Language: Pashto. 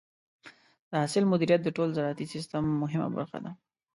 د حاصل مدیریت د ټول زراعتي سیستم مهمه برخه ده.